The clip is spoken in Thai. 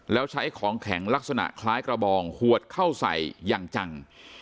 แล้วใช้ของแข็งลักษณะคล้ายกระบองขวดเข้าใส่อย่างจัง